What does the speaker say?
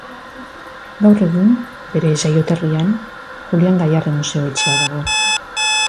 Gaur egun bere jaioterrian Julian Gaiarre museo-etxea dago.